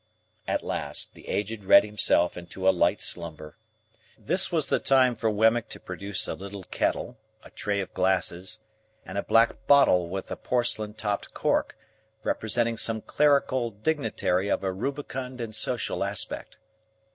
At last, the Aged read himself into a light slumber. This was the time for Wemmick to produce a little kettle, a tray of glasses, and a black bottle with a porcelain topped cork, representing some clerical dignitary of a rubicund and social aspect.